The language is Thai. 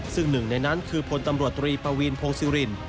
ซึ่งหนึ่งในนั้นคือพลตำรวจตรีปวีนพงศิริน